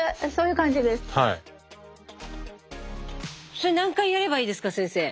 それ何回やればいいですか先生。